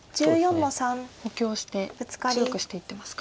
補強して強くしていってますか。